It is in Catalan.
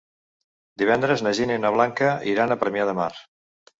Divendres na Gina i na Blanca iran a Premià de Mar.